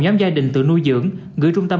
nhóm gia đình tự nuôi dưỡng gửi trung tâm